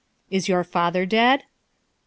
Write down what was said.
Is your father dead? A.